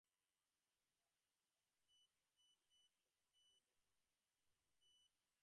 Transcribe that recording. আপনি আমার মতো হাঁটতে হাঁটতে চা খেয়ে দেখুন আপনার ভাল লাগবে।